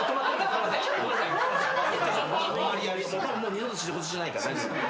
二度と仕事しないから。